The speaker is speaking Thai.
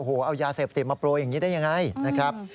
โอ้โหเอายาเสพติดมาโปรยอย่างนี้ได้ยังไงนะครับ